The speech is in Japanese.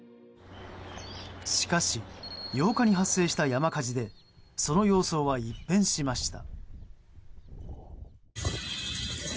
しかし、８日に発生した山火事でその様相は一変しました。